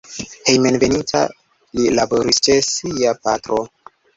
Hejmenveninta li laboris ĉe sia patro.